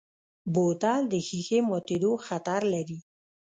بوتل د ښیښې ماتیدو خطر لري.